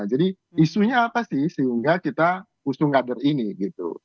jadi isunya apa sih sehingga kita usung kader ini gitu